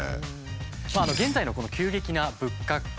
現在のこの急激な物価高騰がですね